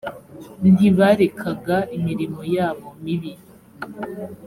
ntibarekaga imirimo yabo mibi